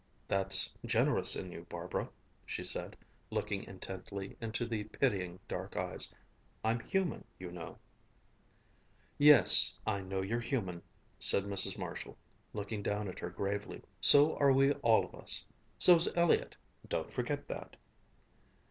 "That's generous in you, Barbara," she said, looking intently into the pitying dark eyes, "I'm human, you know," "Yes, I know you're human," said Mrs. Marshall, looking down at her gravely. "So are we all of us. So's Elliott. Don't forget that."